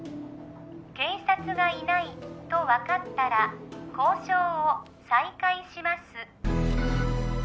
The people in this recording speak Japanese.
警察がいないと分かったら交渉を再開します